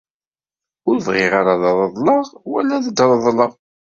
Ur bɣiɣ ad reḍleɣ wala ad d-reḍleɣ.